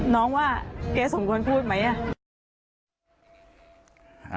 น้องว่าแกสมควรพูดไหม